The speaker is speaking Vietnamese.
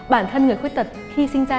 bản thân người khuyết tật khi sinh ra